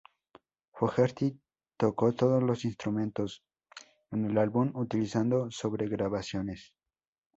Fogerty tocó todos los instrumentos en el álbum utilizando sobregrabaciones.